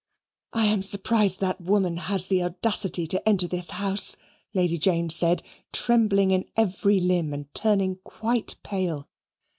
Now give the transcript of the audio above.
"I am surprised that woman has the audacity to enter this house," Lady Jane said, trembling in every limb and turning quite pale.